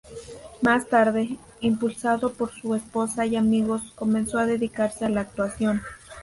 Más tarde, impulsado por su esposa y amigos, comenzó a dedicarse a la actuación.